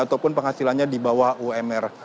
ataupun penghasilannya di bawah umr